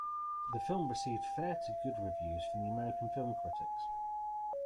The film received fair to good reviews from American film critics.